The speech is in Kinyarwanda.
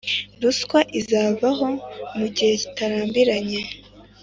ruswa izavaho mu gihe kitarambiranye